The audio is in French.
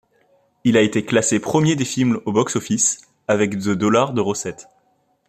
Il a été classé premier des films au box-office avec de $ de recette.